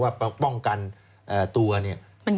หวังปกป้องกันตัวเนี่ย